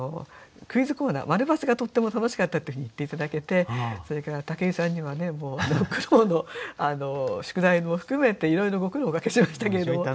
クイズコーナー○×がとっても楽しかったっていうふうに言って頂けてそれから武井さんにはねもうご苦労の宿題も含めていろいろご苦労おかけしましたけれども。